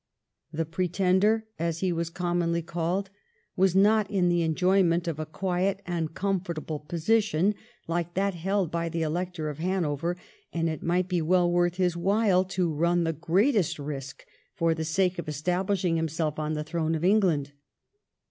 The Pretender, as he was commonly called, was not in the enjoyment of a quiet and comfortable position hke that held by the Elector of Hanover, and it might be well worth his while to run the greatest risk for the sake of establishing himself on the throne of England.